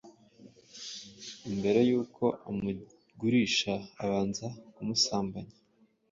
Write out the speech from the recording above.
mbere y'uko amugurisha abanza kumusambanya